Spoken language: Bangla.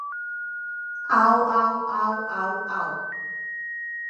আউ, আউ, আউ, আউ, আউ।